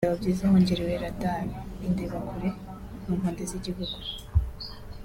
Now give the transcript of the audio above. byaba byiza hongerewe radar (indebakure) mu mpande z’igihugu